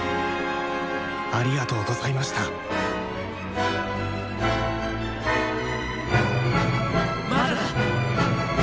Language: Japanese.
ありがとうございましたまだだ！